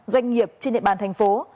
doanh nghiệp trên địa bàn thành phố